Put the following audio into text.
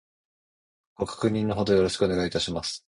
ご確認の程よろしくお願いいたします